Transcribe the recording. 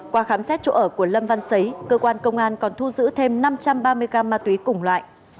qua khám xét chỗ ở của lâm văn xấy cơ quan công an còn thu giữ thêm năm trăm ba mươi gram ma túy cùng loại